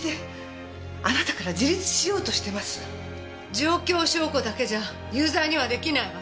状況証拠だけじゃ有罪にはできないわ。